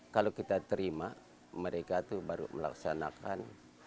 kalau kita terima mereka itu baru melaksanakan